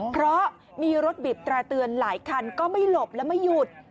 เพราะมีรถบีบแตร่เตือนหลายคันก็ไม่หลบและไม่หยุด